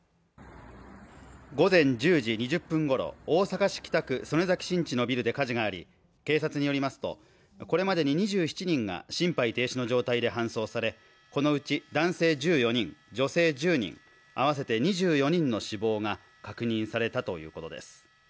午前１０時２０分ごろ、大阪市北区曽根崎新地のビルで火事があり警察によりますとこれまでに２７人が心肺停止の状態で搬送されこのうち男性１４人、女性１０人、合わせて２４人の死亡が確認されたということです。